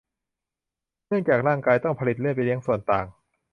เนื่องจากร่างกายต้องผลิตเลือดไปเลี้ยงส่วนต่าง